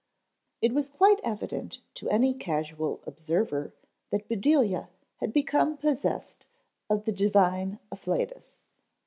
It was quite evident to any casual observer that Bedelia had become possessed of the divine afflatus.